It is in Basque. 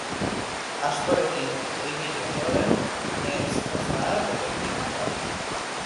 Askorekin ibili ondoren, neskazahar gelditu da.